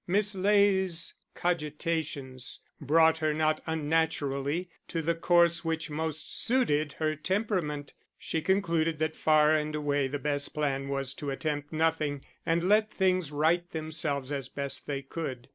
Miss Ley's cogitations brought her not unnaturally to the course which most suited her temperament; she concluded that far and away the best plan was to attempt nothing, and let things right themselves as best they could.